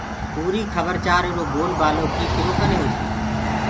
پوريٚ کبر چآر ايرو گول بآلو ڪيٚ ڪرو ڪني هوسيٚ